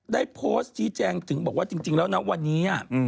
ได้โพสต์ชี้แจงถึงบอกว่าจริงแล้วนะวันนี้